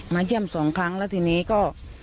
เยี่ยมสองครั้งแล้วทีนี้ก็